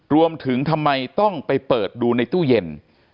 ทำไมต้องไปเปิดดูในตู้เย็น